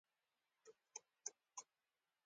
ما وويل دلته ستا استفاده بده ده.